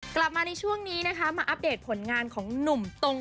กลับมาในช่วงนี้นะคะมาอัปเดตผลงานของหนุ่มตรง